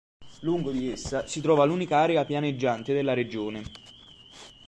Lungo di essa si trova l'unica area pianeggiante della regione.